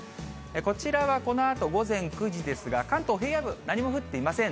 こちらはこのあと午前９時ですが、関東平野部、何も降っていません。